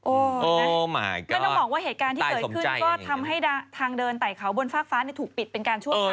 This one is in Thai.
ก็ต้องบอกว่าเหตุการณ์ที่เกิดขึ้นก็ทำให้ทางเดินไต่เขาบนฟากฟ้าถูกปิดเป็นการชั่วคราว